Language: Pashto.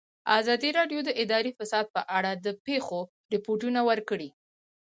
ازادي راډیو د اداري فساد په اړه د پېښو رپوټونه ورکړي.